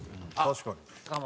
確かに。